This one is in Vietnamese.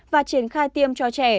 và triển khai tiêm cho trẻ